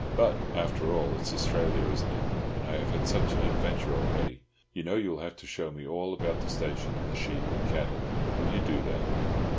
"But, after all, it's Australia, isn't it? And I have had such adventures already! You know you will have to show me all about the station and the sheep and cattle. Will you do that?"